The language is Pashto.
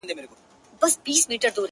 د درد پېټی دي را نیم که چي یې واخلم،